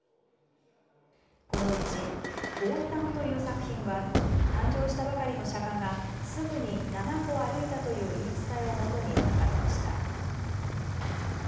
このうち降誕という作品は誕生したばかりの釈迦がすぐに７歩歩いたという言い伝えをもとに描かれました。